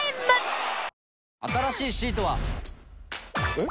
えっ？